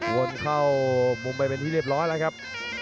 วนเข้ามุมไปเป็นที่เรียบร้อยแล้วครับ